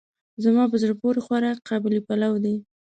زما په زړه پورې خوراک قابلي پلو دی.